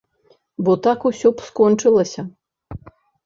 Бо так усё б скончылася.